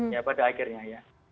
ya pada akhirnya ya